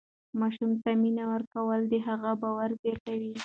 ماشوم ته مینه ورکول د هغه باور زیاتوي.